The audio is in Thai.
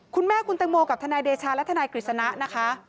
คุณแม่คุณตังโมกับทนายเดชาและทนายกฤษณะนะคะ